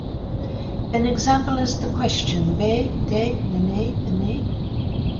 An example is the question Be 'di nene ene?